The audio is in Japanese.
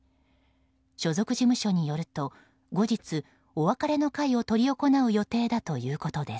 所属事務所によると後日、お別れの会を執り行う予定だということです。